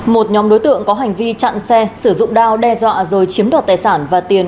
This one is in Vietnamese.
một nhóm đối tượng có hành vi chặn xe sử dụng đao đe dọa rồi chiếm đoạt tài sản và tiền